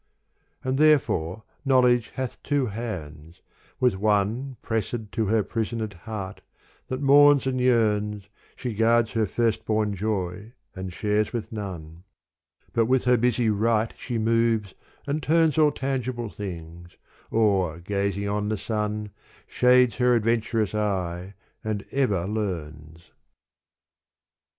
And therefore knowledge hath two hands : with one Pressed to her prisoned heart that mourns and yearns She guards her firstborn joy and shares with none : But with her busy right she moves and turns All tangible things, or gazing on the sun Shades her adventurous eye and ever learns.